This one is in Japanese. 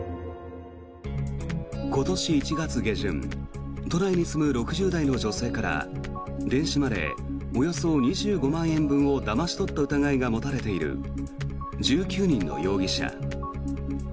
今年１月下旬都内に住む６０代の女性から電子マネー、およそ２５万円分をだまし取った疑いが持たれている１９人の容疑者。